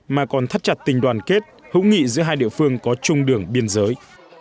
mà còn thắt chặt tình đoàn kết hữu nghị giữa hai địa phương có chung đường biên giới